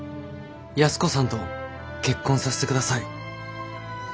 安子さんと結婚させてください。